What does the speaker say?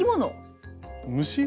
虫？